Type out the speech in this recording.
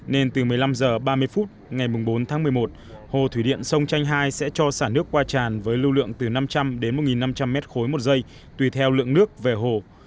nên từ một mươi năm h ba mươi phút ngày bốn tháng một mươi một hồ thủy điện sông chanh hai sẽ cho xả nước qua tràn với lưu lượng từ năm trăm linh đến một năm trăm linh mét khối một giây tùy theo lượng nước về hồ